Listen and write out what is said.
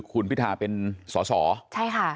คุณพิทาเป็นสระศร